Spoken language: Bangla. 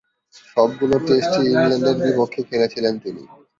সবগুলো টেস্টই ইংল্যান্ডের বিপক্ষে খেলেছিলেন তিনি।